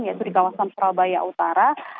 yaitu di kawasan surabaya utara